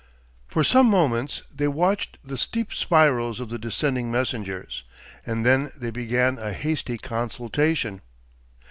For some moments they watched the steep spirals of the descending messengers, and then they began a hasty consultation....